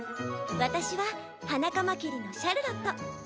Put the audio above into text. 私はハナカマキリのシャルロット。